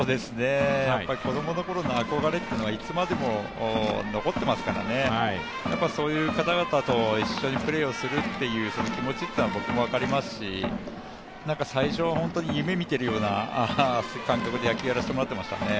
子供の頃の憧れっていうのはいつまでも残っていますからねそういう方々と一緒にプレーをする気持ちというのは僕も分かりますし、最初は本当に夢を見ているような感覚で野球をやらせてもらってましたね。